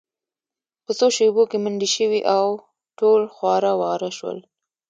په څو شیبو کې منډې شوې او ټول خواره واره شول